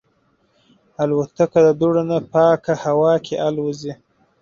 الوتکه د دوړو نه پاکه هوا کې الوزي.